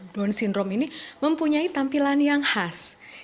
down syndrome ini mempunyai tampilan yang khas